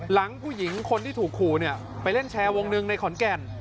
หลังผู้หญิงคนที่ถูกขู่ไปเล่นแชร์วงหนึ่งในขอนแก่น